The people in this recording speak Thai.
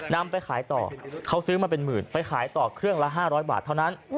นำไปขายต่อเขาซื้อมาเป็นหมื่นไปขายต่อเครื่องละ๕๐๐บาทเท่านั้น